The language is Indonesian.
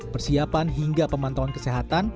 persiapan hingga pemantauan kesehatan